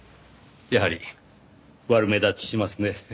やはり悪目立ちしますね。